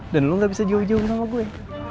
dan lo gak bisa jauh jauh sama gue